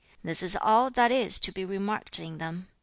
This is all that is to be remarked in them.